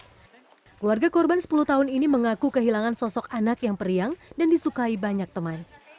keluarga korban sepuluh tahun ini mengaku kehilangan sosok anak yang periang dan disukai banyak teman